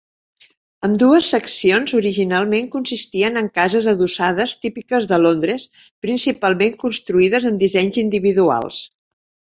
Ambdues seccions originalment consistien en cases adossades típiques de Londres, principalment construïdes amb dissenys individuals.